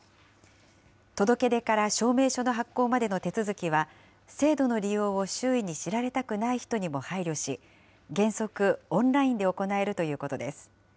届け出から証明書の発行までの手続きは、制度の利用を周囲に知られたくない人にも配慮し、原則オンラインで行えるということです。